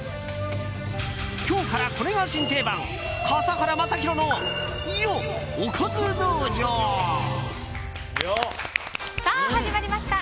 今日からこれが新定番笠原将弘のおかず道場。始まりました。